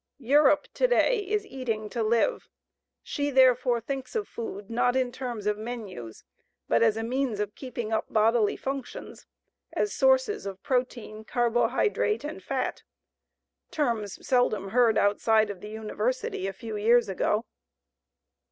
Europe to day is eating to live. She therefore thinks of food not in terms of menus but as a means of keeping up bodily functions, as sources of protein, carbohydrate and fat terms seldom heard outside of the university a few years ago.